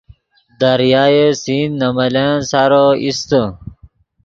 دریائے سندھ نے ملن سارو ایستے